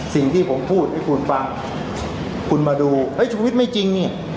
สิ่งที่ผมพูดให้คุณฟังคุณมาดูเฮ้ยชุวิตไม่จริงนี่